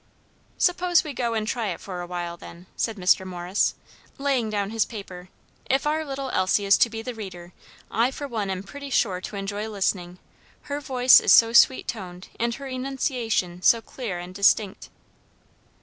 "Suppose we go and try it for a while then," said Mr. Morris, laying down his paper. "If our little Elsie is to be the reader, I for one am pretty sure to enjoy listening, her voice is so sweet toned and her enunciation so clear and distinct."